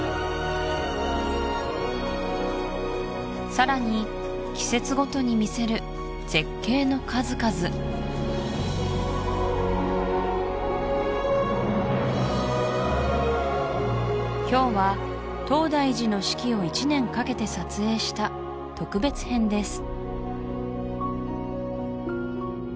さらに季節ごとに見せる絶景の数々今日は東大寺の四季を一年かけて撮影した特別編です